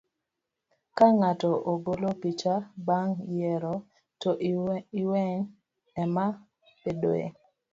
Ka ng'ato ogolo picha bang ' yiero, to lweny ema bedoe.